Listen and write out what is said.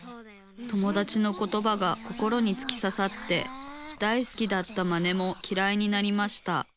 友だちのことばが心につきささって大好きだったマネもきらいになりました。